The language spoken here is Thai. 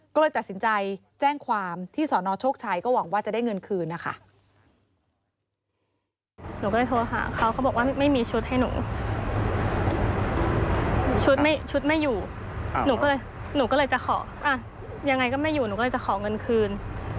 ก็เลยตัดสินใจแจ้งความที่สนโชคชัยก็หวังว่าจะได้เงินคืนนะคะ